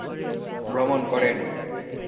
ভ্রমণ করেন।